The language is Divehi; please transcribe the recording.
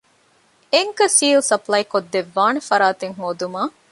އެންކަރ ސީލް ސަޕްލައިކޮށްދެއްވާނެ ފަރާތެެއް ހޯދުމަށް